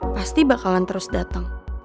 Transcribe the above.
pasti bakalan terus dateng